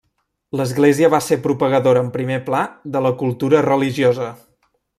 L'Església va ser propagadora en primer pla de la cultura religiosa.